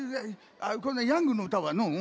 こんなヤングの歌はのう。